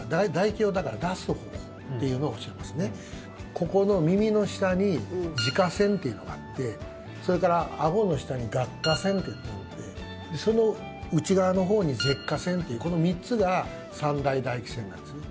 ここの耳の下に耳下腺というのがあってそれから、あごの下に顎下腺っていうのがあってその内側のほうに舌下腺っていうこの３つが三大だ液腺なんですね。